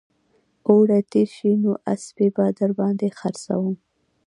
اوړي تېر شي نو اسپې به در باندې خرڅوم